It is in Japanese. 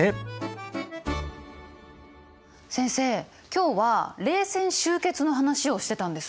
先生今日は冷戦終結の話をしてたんです。